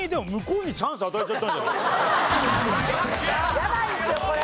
やばいですよこれ。